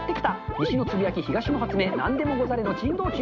西のつぶやき、東の発明、なんでもござれの珍道中。